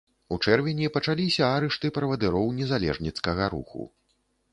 У чэрвені пачаліся арышты правадыроў незалежніцкага руху.